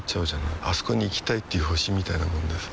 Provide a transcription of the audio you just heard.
あそこに行きたいっていう星みたいなもんでさ